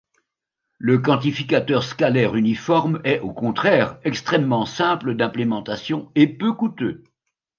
Le quantificateur scalaire uniforme est au contraire extrêmement simple d’implémentation et peu coûteux.